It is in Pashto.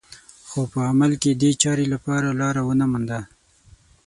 خو په عمل کې دې چارې لپاره لاره ونه مونده